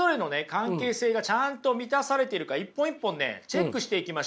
関係性がちゃんと満たされているか一本一本ねチェックしていきましょう。